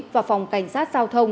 và phòng cảnh sát giao thông